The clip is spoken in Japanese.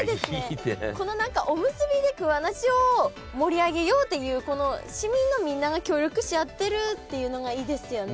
この何かおむすびで桑名市を盛り上げようっていう市民のみんなが協力し合ってるっていうのがいいですよね。